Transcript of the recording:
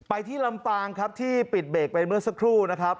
ที่ลำปางครับที่ปิดเบรกไปเมื่อสักครู่นะครับ